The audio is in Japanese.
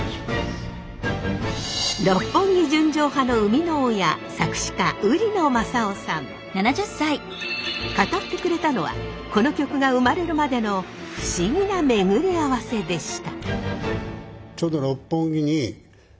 「六本木純情派」の生みの親語ってくれたのはこの曲が生まれるまでの不思議な巡り合わせでした。